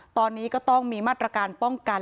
ตอนนี้ก็ต้องมีมาตรการป้องกัน